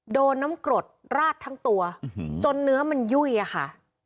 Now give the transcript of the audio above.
โดนน้ำกรดราดทั้งตัวจนเนื้อมันยุ่ยอะค่ะ